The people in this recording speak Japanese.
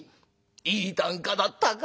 いい啖呵だったか。